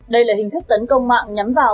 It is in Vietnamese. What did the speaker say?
đây là hình thức tấn công mạng nhắm vào